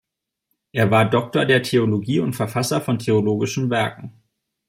Er war Doktor der Theologie und Verfasser von theologischen Werken.